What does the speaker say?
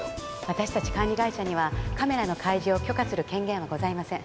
私達管理会社にはカメラの開示を許可する権限はございません